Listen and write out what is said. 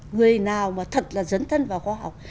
người nào mà thật là dấn thân vào khoa học